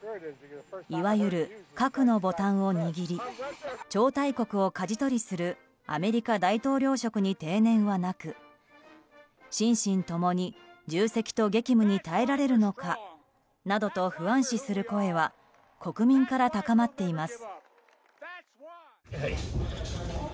いわゆる核のボタンを握り超大国をかじ取りするアメリカ大統領職に定年はなく心身ともに重責と激務に耐えらるのかなどと不安視する声は国民から高まっています。